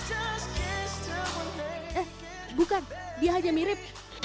eh bukan dia hanya mirip